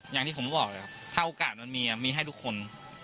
อย่างที่ผมบอกเลยครับถ้าโอกาสมันมีมีให้ทุกคน